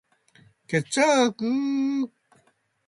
決着ゥゥゥゥゥ！